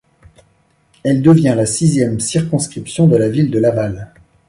Elle devient la sixième circonscription de la ville de Laval.